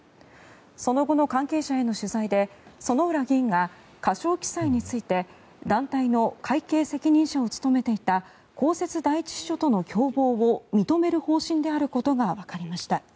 その後の関係者への取材で薗浦議員が過少記載について団体の会計責任者を務めていた公設第１秘書との共謀を認める方針であることがわかりました。